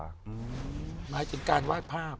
หมาจนการว่าดภาพ